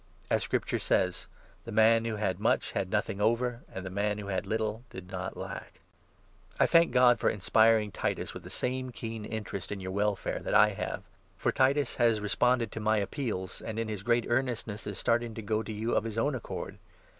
As Scripture says — 15 ' The man who had much had nothing over, and the man who had little did not lack !' Titua I thank God for inspiring Titus with the same 16 and other* keen interest in your welfare that I have; for 17 to assist. Titus has responded to my appeals and, in his great earnestness, is starting to go to you of his own accord.